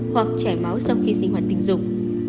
hoặc chảy máu sau khi sinh hoạt tình dục